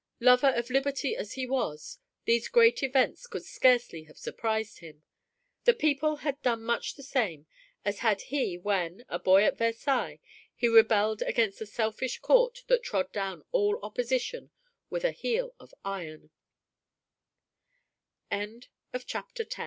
Lover of liberty as he was, these great events could scarcely have surprised him. The people had done much the same as had he when, a boy at Versailles, he rebelled against the selfish court that trod down all opposition with a